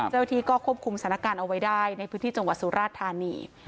เจ้าที่ก็ควบคุมสถานการณ์เอาไว้ได้ในพื้นที่จังหวัดสุราชธานี